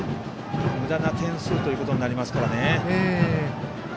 むだな点数ということになりますからね。